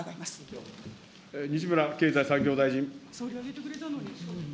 西村経済産業大臣。